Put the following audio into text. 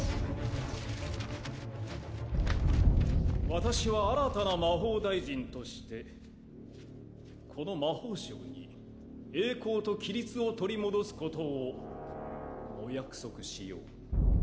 私は新たな魔法大臣としてこの魔法省に栄光と規律を取り戻すことをお約束しよう